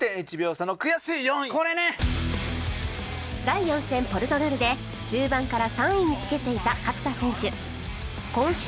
第４戦ポルトガルで中盤から３位につけていた勝田選手